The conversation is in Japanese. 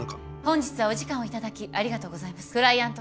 本日はお時間を頂きありがとうございます。